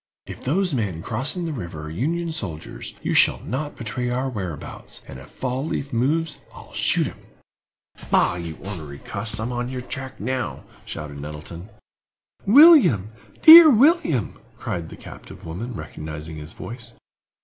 If those men crossing the river are Union soldiers, you shall not betray our whereabouts, and if Fall leaf moves I'll shoot him!" "Bah, you ornery cuss; I'm on your track now!" shouted Nettleton. "William—dear William!" cried the captive woman, recognizing his voice.